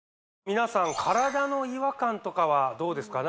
皆さん体の違和感とかはどうですか？